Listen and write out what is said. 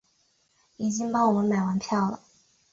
已经帮我们买完票了